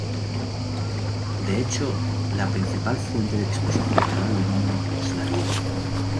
De hecho, la principal fuente de exposición al aluminio es la dieta.